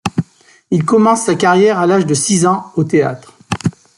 Il commence sa carrière à l'âge de six ans au théâtre.